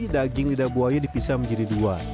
daging lidah buaya dipisah menjadi dua